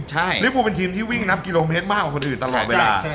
ใช่ลิฟูเป็นทีมที่วิ่งนับกิโลเมตรมากกว่าคนอื่นตลอดเวลา